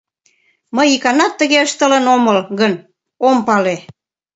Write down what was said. Мый иканат тыге ыштылын омыл гын, ом пале.